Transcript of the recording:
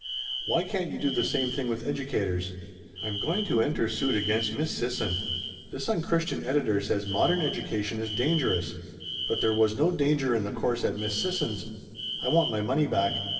Why can't you do the same thing with educators? I'm going to enter suit against Miss Sisson. This unchristian editor says modern education is dangerous; but there was no danger in the course at Miss Sisson's. I want my money back."